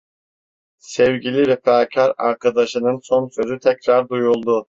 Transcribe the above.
Sevgili vefakâr arkadaşının son sözü tekrar duyuldu.